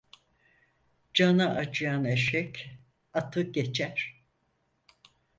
Canı acıyan eşek, atı geçer.